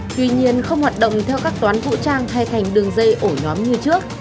tuy nhiên không hoạt động theo các toán vũ trang hay thành đường dây ổ nhóm như trước